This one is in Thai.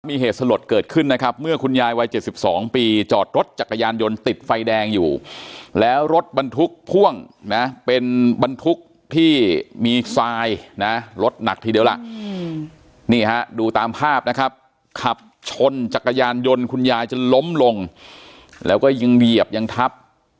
มีเหตุสลดเกิดขึ้นนะครับเมื่อคุณยายวัย๗๒ปีจอดรถจักรยานยนต์ติดไฟแดงอยู่แล้วรถบรรทุกพ่วงนะเป็นบรรทุกที่มีทรายนะรถหนักทีเดียวล่ะนี่ฮะดูตามภาพนะครับขับชนจักรยานยนต์คุณยายจนล้มลงแล้วก็ยังเหยียบยังทับ